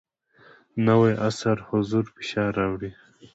نوی عصر حضور فشار راوړی.